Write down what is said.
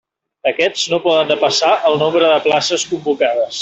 Aquests no poden depassar el nombre de places convocades.